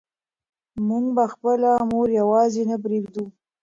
موږ به خپله مور یوازې نه پرېږدو.